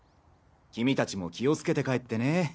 君達も気をつけて帰ってね。